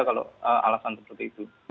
kalau alasan seperti itu